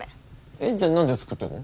えっじゃあ何で作ってんの？